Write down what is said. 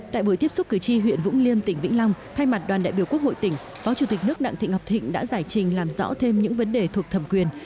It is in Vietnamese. tại buổi tiếp xúc cử tri huyện vũng liêm tỉnh vĩnh long thay mặt đoàn đại biểu quốc hội tỉnh phó chủ tịch nước đặng thị ngọc thịnh đã giải trình làm rõ thêm những vấn đề thuộc thẩm quyền